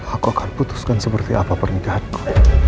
aku akan putuskan seperti apa pernikahanmu